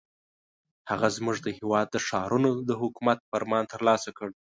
هغه زموږ د هېواد د ښارونو د حکومت فرمان ترلاسه کړ.